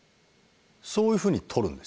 そういうふうに撮るんですよ。